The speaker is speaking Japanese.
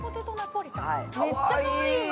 めっちゃかわいい。